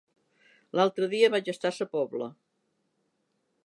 L'altre dia vaig estar a Sa Pobla.